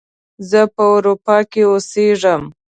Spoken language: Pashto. زه په اروپا کې اوسیږم